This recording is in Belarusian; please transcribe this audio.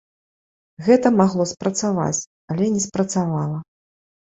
Гэта магло спрацаваць, але не спрацавала.